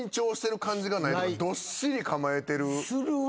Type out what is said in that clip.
どっしり構えてる。